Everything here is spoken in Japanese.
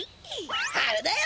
あるだよ！